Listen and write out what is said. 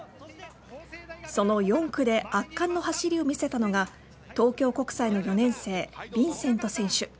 その４区で圧巻の走りを見せたのが東京国際の４年生ビンセント選手。